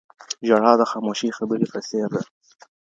ژړا د خاموشې خبرې په څېر ده.